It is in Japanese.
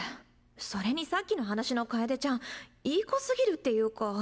それにさっきの話の楓ちゃんいい子すぎるっていうか。